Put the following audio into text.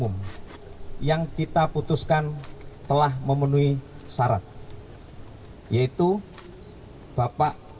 anda gitu kan jadi nycapnya gimana